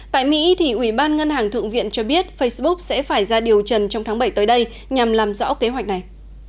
tại mỹ ủy ban ngân hàng thượng viện cho biết facebook sẽ phải ra điều trần trong tháng bảy tới đây nhằm làm rõ kế hoạch này